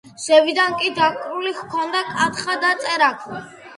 ზევიდან კი დაკრული ჰქონდა კათხა და წერაქვი.